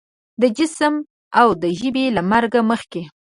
د جسم او د ژبې له مرګ مخکې خو